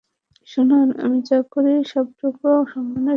শুনুন, আমি যা করি সবটুকু সম্মানের সঙ্গে করি।